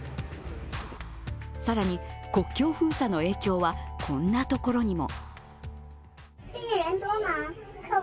更に、国境封鎖の影響はこんなところにも。